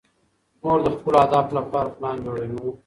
موږ د خپلو اهدافو لپاره پلان جوړوو.